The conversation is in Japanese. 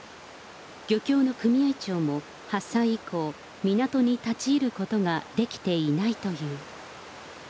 漁協の組合長も発災以降、港に立ち入ることができていないという。